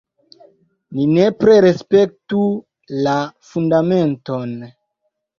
Ni nepre respektu la Fundamenton!